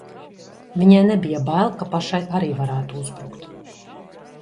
Viņai nebija bail, ka pašai arī varētu uzbrukt.